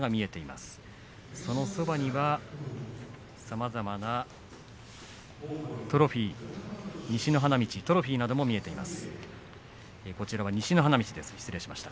そのそばには、さまざまなトロフィー西の花道にはトロフィーなども見えています。